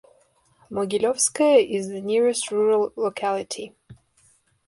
Mogilyovskoye is the nearest rural locality.